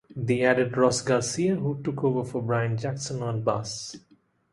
They added Ross Garcia who took over for Bryan Jackson on bass.